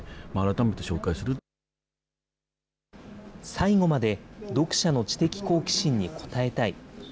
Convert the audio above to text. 最後まで読者の知的好奇心に応えたい。